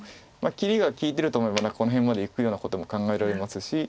切りが利いてると思えば何かこの辺までいくようなことも考えられますし。